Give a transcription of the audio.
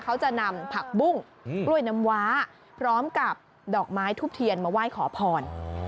เขาจะนำผักบุ้งกล้วยน้ำว้าพร้อมกับดอกไม้ทุบเทียนมาไหว้ขอพร